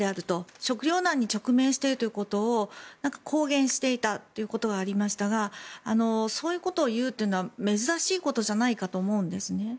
食料難に直面しているということを公言していたことがありましたがそういうことを言うというのは珍しいことじゃないかと思うんです。